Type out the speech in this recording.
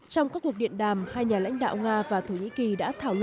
trong các cuộc điện đàm hai nhà lãnh đạo nga và thổ nhĩ kỳ đã thảo luận về mối quan hệ